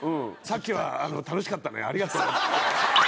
「さっきは楽しかったねありがとう」っつって。